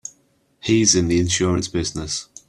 He's in the insurance business.